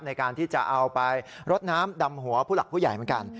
ในการที่จะเอาไปรดน้ำดำหัวผู้หลักผู้ใหญ่เหมือนกัน